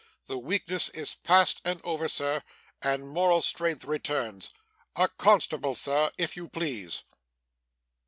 The weakness is past and over sir, and moral strength returns. A constable, sir, if you please!